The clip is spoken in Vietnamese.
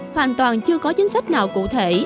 hoàn toàn chưa có chính sách nào cụ thể